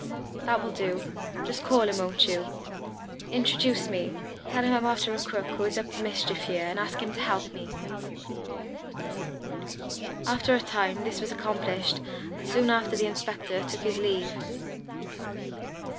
"That will do. Just call him, won't you? Introduce me. Tell him I'm after a crook who is up to mischief here, and ask him to help me." After a time this was accomplished, and soon after the inspector took his leave.